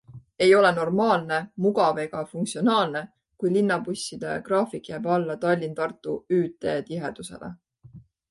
Ei ole normaalne, mugav ega funktsionaalne, kui linnabusside graafik jääb alla Tallinn-Tartu ÜT tihedusele.